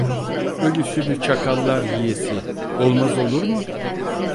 Ölüsünü çakallar yiyesi, olmaz olur mu?